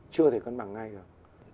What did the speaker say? chưa thể cân bằng ngay rồi